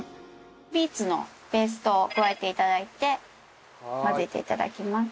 ビーツのペーストを加えて頂いて混ぜて頂きます。